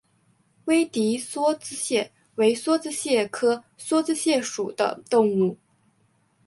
威迪梭子蟹为梭子蟹科梭子蟹属的动物。